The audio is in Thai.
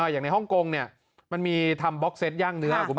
อย่างในฮ่องกงมันมีทำบล็อกเซตย่างเนื้อ